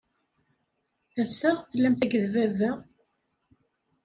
Ass-a, tellamt akked baba?